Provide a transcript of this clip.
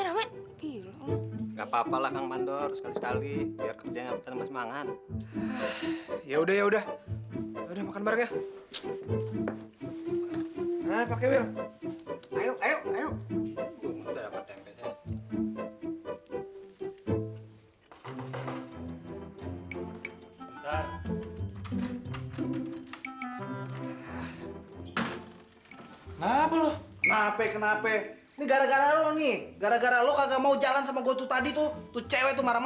sampai jumpa di video selanjutnya